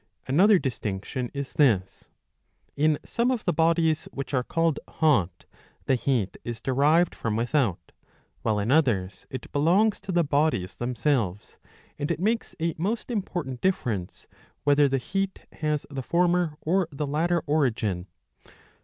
Another distinction is this. In some of the bodies which are called hot the heat is derived from without, while in others it belongs to the bodies themselves ; and it makes a most important difference, whether the heat has the former or the latter origin.